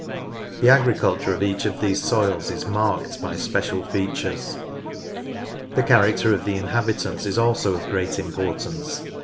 The agriculture of each of these soils is marked by special features. The character of the inhabitants is also of great importance.